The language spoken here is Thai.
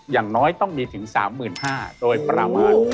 อย่างน้อยต้องมีถึง๓๕๐๐บาทโดยประมาณ